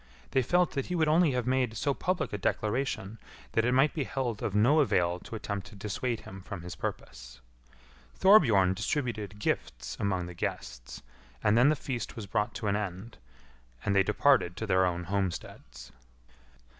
They felt that he would only have made so public a declaration that it might be held of no avail to attempt to dissuade him from his purpose. Thorbjorn distributed gifts among the guests, and then the feast was brought to an end, and they departed to their own homesteads.